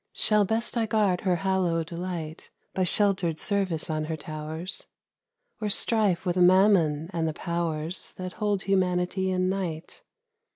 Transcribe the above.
Shall best I guard her hallowed light By sheltered service on her tow'rs, Or strife with Mammon and the pow'rs That hold humanity in night